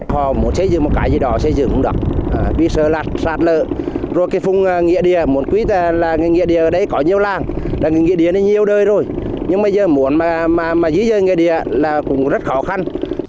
họ muốn xây dựng một cái gì đó xây dựng cũng được